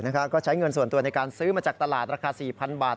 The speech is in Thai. ก็ใช้เงินส่วนตัวในการซื้อมาจากตลาดราคา๔๐๐บาท